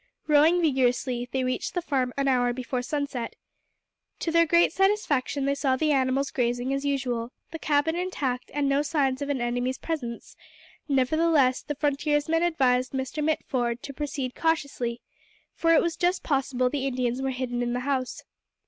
Rowing vigorously, they reached the farm an hour before sunset. To their great satisfaction they saw the animals grazing as usual, the cabin intact, and no signs of an enemy's presence; nevertheless the frontiersmen advised Mr. Mitford to proceed cautiously, for it was just possible the Indians were hidden in the house.